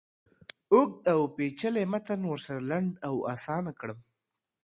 اوږد اوپیچلی متن ورسره لنډ او آسانه کړم.